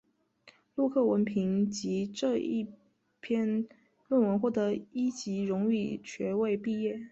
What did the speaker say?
陆克文凭藉这篇论文获得一级荣誉学位毕业。